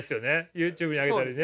ＹｏｕＴｕｂｅに上げたりね。